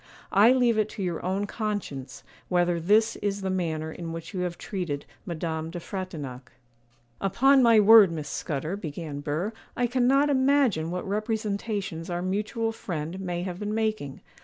I leave it to your own conscience whether this is the manner in which you have treated Madame de Frontignac.' 'Upon my word, Miss Scudder,' began Burr, 'I cannot imagine what representations our mutual friend may have been making.